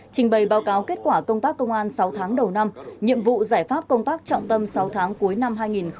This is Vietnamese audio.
trình bày báo cáo kết quả công tác công an sáu tháng đầu năm nhiệm vụ giải pháp công tác trọng tâm sáu tháng cuối năm hai nghìn hai mươi ba